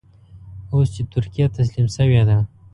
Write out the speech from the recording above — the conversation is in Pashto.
اوس چې ترکیه تسليم شوې ده.